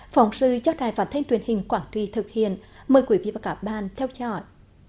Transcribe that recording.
phòng sư cho đài phản thân truyền hình quảng trì thực hiện mời quý vị và cả ban theo chọn